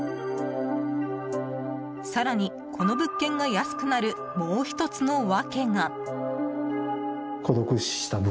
更に、この物件が安くなるもう１つの訳が。